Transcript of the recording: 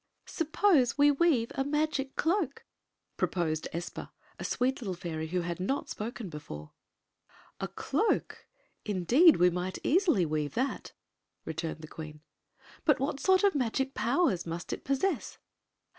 " Suppose we weave a magic cloak," proposed Espa, a sweet little fairy who had not before spoken. "A cloak? Indeed, we might easily weave that," returned the queen. " But what sort of magic pow ers must it possess?"